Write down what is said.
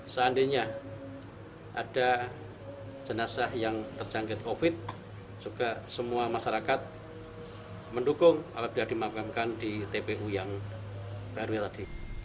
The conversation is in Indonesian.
seandainya ada jenazah yang terjangkit covid juga semua masyarakat mendukung apabila dimakamkan di tpu yang baru tadi